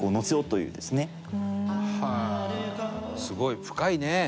すごい、深いね。